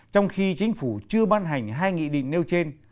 trong khi chính phủ chưa ban hành hai nghị định nêu trên